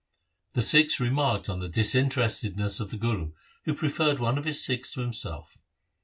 The Sikhs remarked on the dis interestedness of the Guru, who preferred one of his Sikhs to himself.